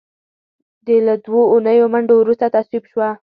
له دوو اونیو منډو وروسته تصویب شوه.